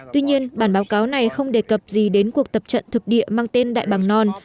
tuy nhiên bản báo cáo này không đề cập gì đến cuộc tập trận thực địa mang tên đại bằng non